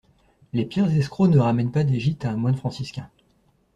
Les pires escrocs ne ramènent pas des gîtes à un moine franciscain.